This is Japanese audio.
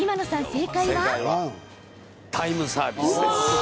正解はタイムサービスです。